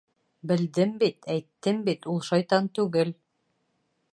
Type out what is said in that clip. — Белдем бит, әйттем бит — ул шайтан түгел.